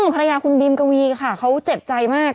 ภรรยาคุณบีมกวีค่ะเขาเจ็บใจมาก